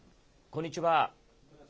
こんにちは。